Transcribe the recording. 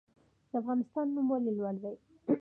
د افغانستان نوم ولې لوړ دی؟